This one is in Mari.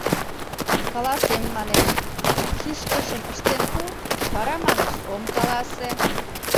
— Каласем, манеш, шӱшкышым ыштен пу, вара, манеш, ом каласе.